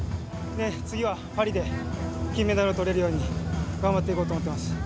次はパリで金メダルを取れるように頑張っていこうと思っています。